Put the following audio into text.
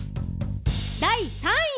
第３位！